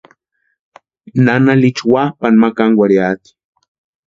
Nana Licha wapʼani ma kánkwarhiati.